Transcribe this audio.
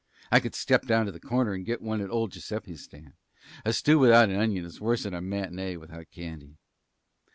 I could step down to the corner and get one at old Giuseppe's stand. A stew without an onion is worse'n a matinée without candy."